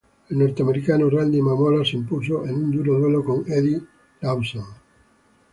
El norteamericano Randy Mamola se impuso en un duro duelo con Eddie Lawson.